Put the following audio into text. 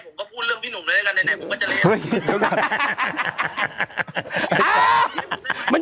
ผมก็พูดเรื่องพี่หนุ่มเลยเลยนะ